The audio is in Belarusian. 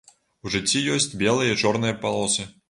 У жыцці ёсць белыя і чорныя палосы.